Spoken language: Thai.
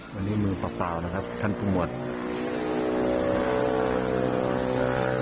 วันนี้มือเปล่านะครับท่านผู้หมวด